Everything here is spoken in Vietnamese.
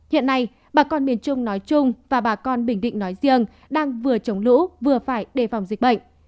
hiện nay bà con miền trung nói chung và bà con bình định nói riêng đang vừa chống lũ vừa phải đề phòng dịch bệnh